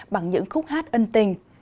bằng những khúc hát ân tình